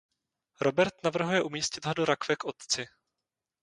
Robert navrhuje umístit ho do rakve k otci.